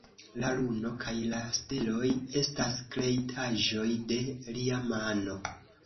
La luno kaj la steloj estas kreitaĵoj de Lia mano.